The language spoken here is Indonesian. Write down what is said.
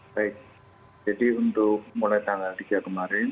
baik jadi untuk mulai tanggal tiga kemarin